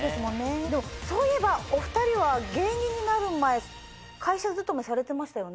でもそういえばお２人は芸人になる前会社勤めされてましたよね。